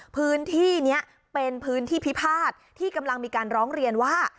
พื้นที่นี้เป็นพื้นที่พิพาทที่กำลังมีการร้องเรียนว่า